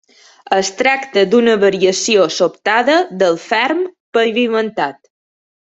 Es tracta d'una variació sobtada del ferm pavimentat.